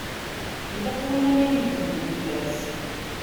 Ilaq win ara inebbhen fell-as.